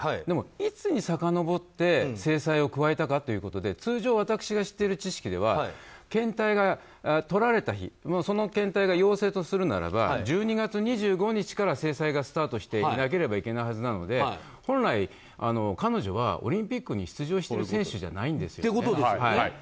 でもいつにさかのぼって制裁を加えたかということで通常、私が知っている知識では検体がとられた日その検体が陽性とするならば１２月２５日から制裁がスタートしていなければいけないはずなので本来、彼女はオリンピックに出場する選手じゃないんです。